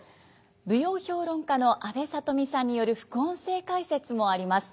舞踊評論家の阿部さとみさんによる副音声解説もあります。